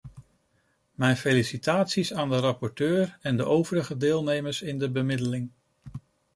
Mijn felicitaties aan de rapporteur en de overige deelnemers in de bemiddeling.